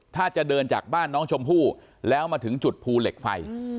ถ้าจะเดินจากบ้านน้องชมพู่แล้วมาถึงจุดภูเหล็กไฟ